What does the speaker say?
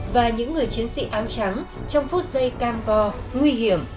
và những người chiến sĩ áo trắng trong phút giây cam go nguy hiểm